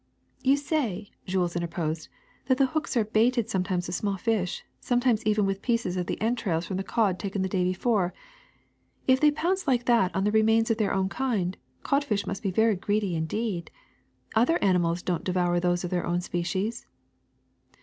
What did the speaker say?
'' ^'You say,'' Jules interposed, ''that the hooks are baited sometimes with small fish, sometimes even with pieces of the entrails from the cod taken the day before. If they pounce like that on the remains of their own kind, codfish must be very greedy indeed ! Other animals don't devour those of their own species."